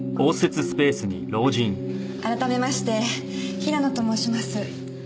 改めまして平野と申します。